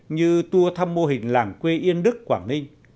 như tour thăm mô hình làng quê yên đức quảng ninh